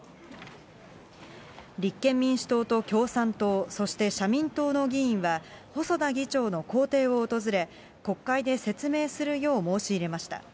立憲民主党と共産党、そして社民党の議員は、細田議長の公邸を訪れ、国会で説明するよう申し入れました。